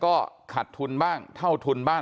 ความปลอดภัยของนายอภิรักษ์และครอบครัวด้วยซ้ำ